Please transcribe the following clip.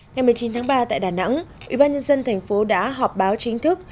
ngày một mươi chín tháng ba tại đà nẵng ủy ban nhân dân thành phố đã họp báo chính thức